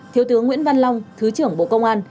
thiếu tướng nguyễn văn long thứ trưởng bộ công an